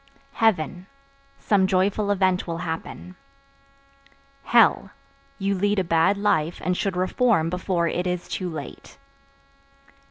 Heaven Some joyful event will happen. Hell You lead a bad life and should reform before it is too late.